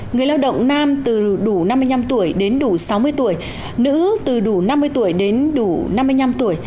người lao động nam từ đủ năm mươi năm tuổi đến đủ sáu mươi tuổi nữ từ đủ năm mươi tuổi đến đủ năm mươi năm tuổi